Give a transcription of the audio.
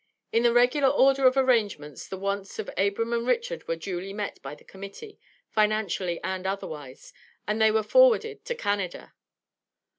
In the regular order of arrangements the wants of Abram and Richard were duly met by the Committee, financially and otherwise, and they were forwarded to Canada.